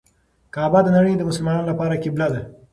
کعبه د نړۍ د مسلمانانو لپاره قبله ده.